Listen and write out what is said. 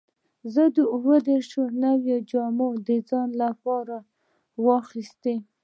زه اووه دیرش نوې جامې د ځان لپاره واخیستې.